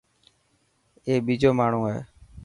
اي ٻيجو ماڻهو هي.